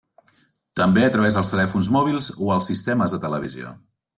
També a través dels telèfons mòbils o els sistemes de televisió.